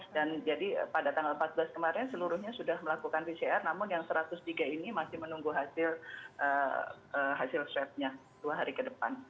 dan jadi pada tanggal empat belas kemarin seluruhnya sudah melakukan pcr namun yang satu ratus tiga ini masih menunggu hasil swab nya dua hari ke depan